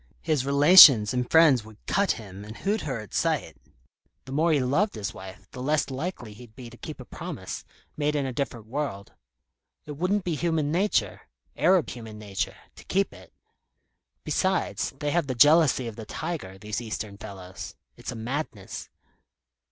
His relations and friends would cut him, and hoot her at sight. The more he loved his wife, the less likely he'd be to keep a promise, made in a different world. It wouldn't be human nature Arab human nature to keep it. Besides, they have the jealousy of the tiger, these Eastern fellows. It's a madness."